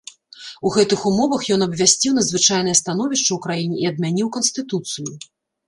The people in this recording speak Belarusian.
У гэтых умовах ён абвясціў надзвычайнае становішча ў краіне і адмяніў канстытуцыю.